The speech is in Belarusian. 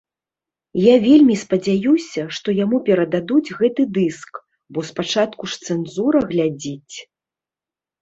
Я вельмі спадзяюся, што яму перададуць гэты дыск, бо спачатку ж цэнзура глядзіць.